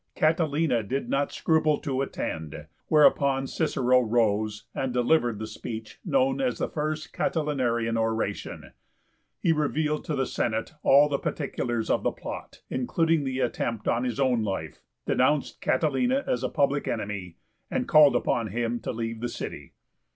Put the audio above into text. Catilina did not scruple to attend, whereupon Cicero rose, and delivered the speech known as the First Catilinarian Oration. He revealed to the Senate all the particulars of the plot, including the attempt upon his own life, denounced Catilina as a public enemy, and called upon him to leave the city.